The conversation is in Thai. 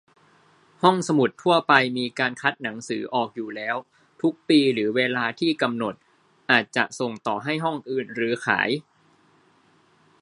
ห้องสมุดทั่วไปมีการคัดหนังสือออกอยู่แล้ว ทุกปีหรือเวลาที่กำหนด อาจจะส่งต่อให้ห้องอื่น หรือขาย